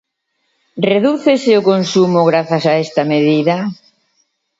¿Redúcese o consumo grazas a esta medida?